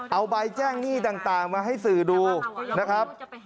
เอาใบแจ้งหนี้ต่างมาให้สื่อดูนะครับ